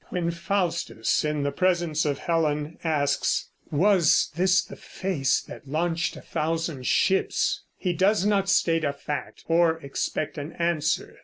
When Faustus in the presence of Helen asks, "Was this the face that launched a thousand ships?" he does not state a fact or expect an answer.